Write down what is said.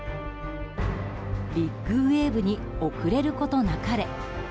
ビッグウェーブに遅れることなかれ。